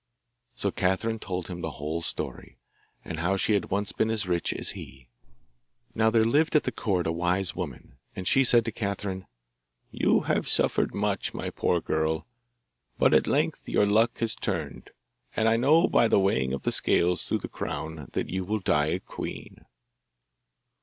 So Catherine told him the whole story, and how she had once been as rich as he. Now there lived at the court a wise woman, and she said to Catherine, 'You have suffered much, my poor girl, but at length your luck has turned, and I know by the weighing of the scales through the crown that you will die a queen.